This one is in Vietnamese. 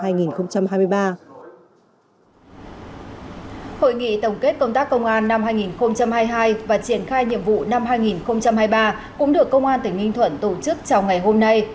hội nghị tổng kết công tác công an năm hai nghìn hai mươi hai và triển khai nhiệm vụ năm hai nghìn hai mươi ba cũng được công an tỉnh ninh thuận tổ chức trong ngày hôm nay